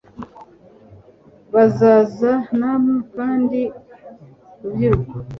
basaza namwe kandi rubyiruko